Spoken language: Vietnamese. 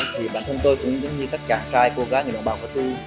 thì bản thân tôi cũng giống như tất cả các cô gái người đồng bào cơ tu